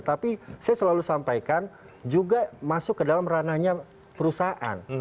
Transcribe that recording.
tapi saya selalu sampaikan juga masuk ke dalam ranahnya perusahaan